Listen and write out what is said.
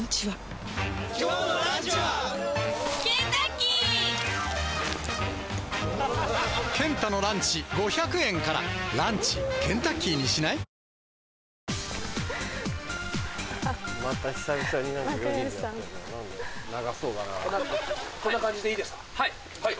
はい。